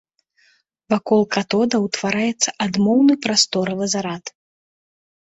Вакол катода ўтвараецца адмоўны прасторавы зарад.